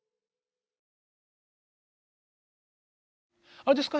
あれですか？